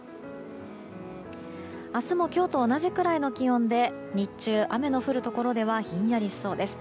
明日も今日と同じくらいの気温で日中雨の降るところではひんやりしそうです。